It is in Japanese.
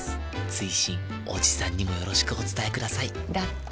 追伸おじさんにもよろしくお伝えくださいだって。